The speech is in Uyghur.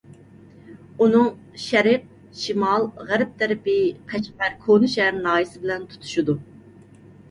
ئۇنىڭ شەرق، شىمال، غەرب تەرىپى قەشقەر كوناشەھەر ناھىيەسى بىلەن تۇتىشىدۇ.